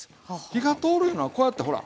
火が通るいうのはこうやってほら。